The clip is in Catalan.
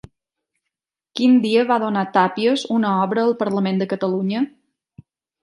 Quin dia va donar Tàpies una obra al Parlament de Catalunya?